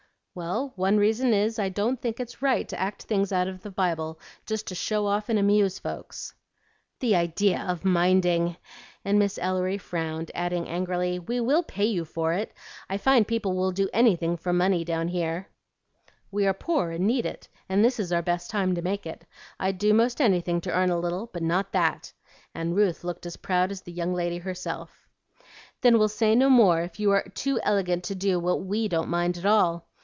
"Well, one reason is I don't think it's right to act things out of the Bible just to show off and amuse folks." "The idea of minding!" and Miss Ellery frowned, adding angrily, "We will pay you for it. I find people will do anything for money down here." "We are poor and need it, and this is our best time to make it. I'd do most anything to earn a little, but not that;" and Ruth looked as proud as the young lady herself. "Then we'll say no more if you are too elegant to do what WE don't mind at all.